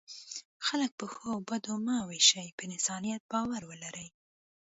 خلک په ښو او بدو مه وویشئ، پر انسانیت باور ولرئ.